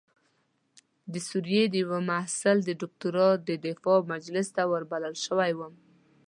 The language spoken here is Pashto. د سوریې د یوه محصل د دکتورا د دفاع مجلس ته وربلل شوی وم.